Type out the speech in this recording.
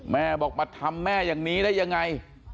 แม่บอกมาทำแม่อย่างนี้ได้ยังไง